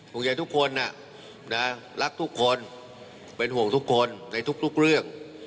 ห่วงใยทุกคนรักทุกคนเป็นห่วงทุกคนในทุกเรื่อง